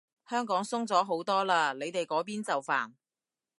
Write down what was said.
香港鬆咗好多嘞，你哋嗰邊就煩